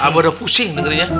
abah udah pusing dengerinnya